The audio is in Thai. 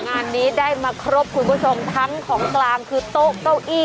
งานนี้ได้มาครบคุณผู้ชมทั้งของกลางคือโต๊ะเก้าอี้